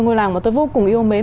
ngôi làng mà tôi vô cùng yêu mến